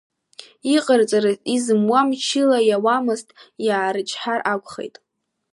Иҟарҵарыз, изымуа мчыла иауамызт, иаарычҳар акәхеит.